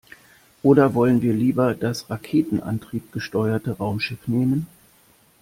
Oder wollen wir lieber das raketenantriebgesteuerte Raumschiff nehmen?